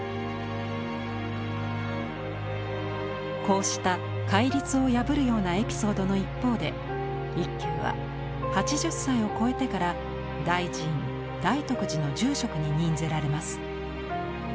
こうした戒律を破るようなエピソードの一方で一休は８０歳を超えてから大寺院大徳寺の住職に任ぜられます。